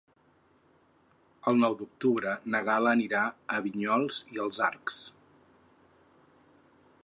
El nou d'octubre na Gal·la anirà a Vinyols i els Arcs.